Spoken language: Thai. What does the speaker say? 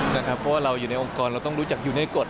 เพราะว่าเราอยู่ในองค์กรเราต้องรู้จักอยู่ในกฎ